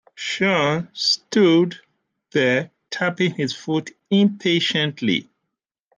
Sean stood there tapping his foot impatiently.